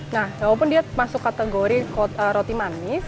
nah walaupun dia masuk kategori roti manis